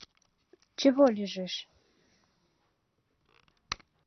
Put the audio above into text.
Чего лежишь?